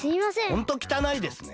ホントきたないですね。